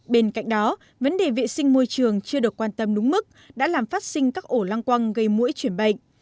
bên cạnh đó vấn đề vệ sinh môi trường chưa được quan tâm đúng mức đã làm phát sinh các ổ lang quang gây mũi chuyển bệnh